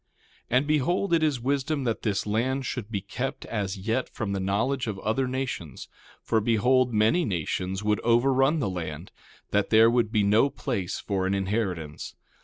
1:8 And behold, it is wisdom that this land should be kept as yet from the knowledge of other nations; for behold, many nations would overrun the land, that there would be no place for an inheritance.